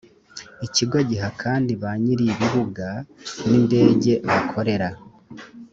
ikigo giha kandi ba nyir ibibuga n indege bakorera